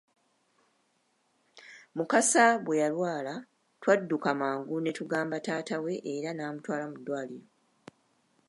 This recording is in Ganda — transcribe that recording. Mukasa bwe yalwala twadduka mangu ne tugamba taata we era n'amutwala mu ddwaliro.